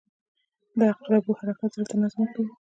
• د عقربو حرکت زړه ته نظم ورکوي.